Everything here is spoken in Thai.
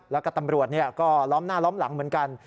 แล้วก็ตำรวจก็ล้อมหน้าล้อมหลังเหมือนกัน